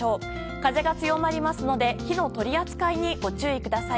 風が強まりますので火の取り扱いにご注意ください。